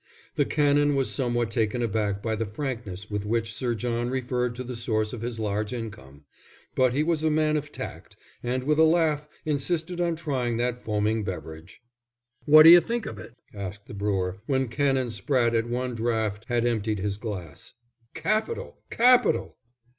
The Canon was somewhat taken aback by the frankness with which Sir John referred to the source of his large income, but he was a man of tact, and with a laugh insisted on trying that foaming beverage. "What d'you think of it?" asked the brewer, when Canon Spratte at one draught had emptied his glass. "Capital, capital!"